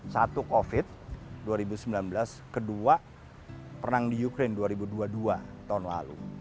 satu covid dua ribu sembilan belas kedua perang di ukraine dua ribu dua puluh dua tahun lalu